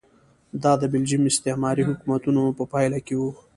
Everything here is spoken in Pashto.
دا د بلجیم استعماري حکومتونو په پایله کې و.